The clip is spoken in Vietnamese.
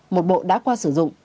một bộ đã qua sử dụng